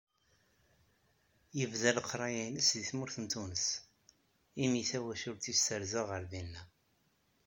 Yebda leqraya-ines di tmurt n Tunes, imi tawacult-is terza ɣer dinna.